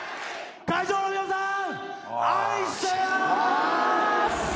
会場の皆さん！